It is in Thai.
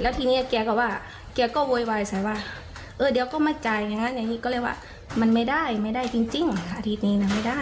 แล้วทีนี้แกก็ว่าแกก็โวยวายใส่ว่าเออเดี๋ยวก็ไม่จ่ายไงฮะอย่างนี้ก็เลยว่ามันไม่ได้ไม่ได้จริงอาทิตย์นี้ไม่ได้